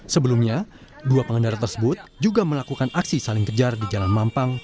sebelumnya dua pengendara tersebut juga melakukan aksi saling kejar di jalan mampang